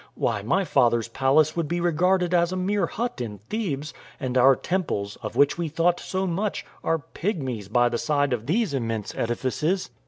Why, my father's palace would be regarded as a mere hut in Thebes, and our temples, of which we thought so much, are pygmies by the side of these immense edifices."